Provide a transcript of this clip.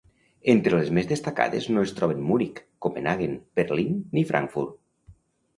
Entre les més destacades no es troben Munic, Copenhaguen, Berlín ni Frankfurt.